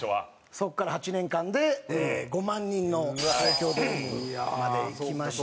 そこから８年間で５万人の東京ドームまでいきましたからね。